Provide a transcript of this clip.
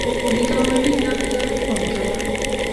د ګاونډي حق ته پام کوه